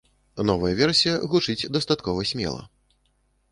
Новая версія гучыць дастаткова смела.